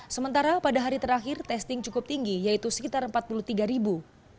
sementara pada hari terakhir testing cukup tinggi yaitu sekitar empat puluh tiga ribu